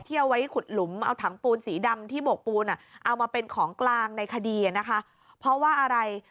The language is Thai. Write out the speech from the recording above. เอาไว้ขุดหลุมเอาถังปูนสีดำที่โบกปูนอ่ะเอามาเป็นของกลางในคดีอ่ะนะคะเพราะว่าอะไร